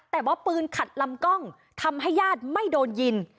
แต่ว่าปืนขัดลำกล้องทำให้ญาติไม่โดนยิง